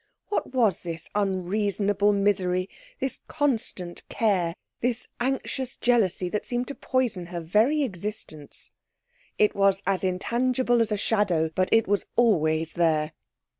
What was this unreasonable misery, this constant care, this anxious jealousy that seemed to poison her very existence? It was as intangible as a shadow, but it was always there.